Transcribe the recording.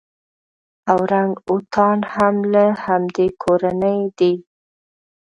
اورنګ اوتان هم له همدې کورنۍ دي.